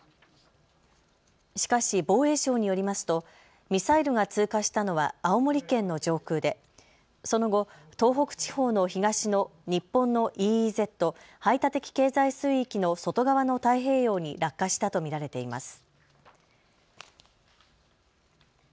しかし防衛省によりますとミサイルが通過したのは青森県の上空で、その後、東北地方の東の日本のＥＥＺ・排他的経済水域の外側の太平洋に落下したと見られています。